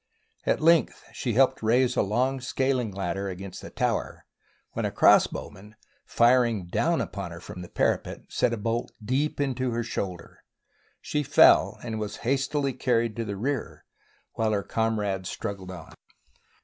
At length she helped to raise a long scaling lad der against the tower, when a crossbowman, firing down upon her from the parapet, sent a bolt deep into her shoulder. She fell, and was hastily carried to the rear, while her comrades struggled on.